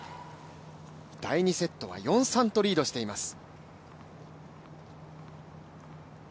第２セットは４−３とリードしています。